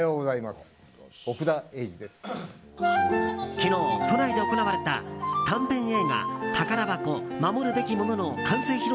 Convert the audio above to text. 昨日、都内で行われた短編映画「たからばこ守るべきもの」の完成披露